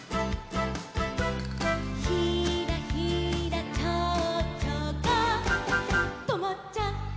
「ひらひらちょうちょがとまっちゃった」